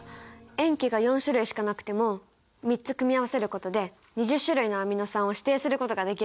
塩基が４種類しかなくても３つ組み合わせることで２０種類のアミノ酸を指定することができるんだ！